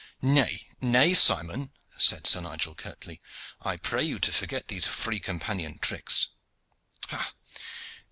"Nay, nay, Simon," said Sir Nigel curtly, "I pray you to forget these free companion tricks. Ha!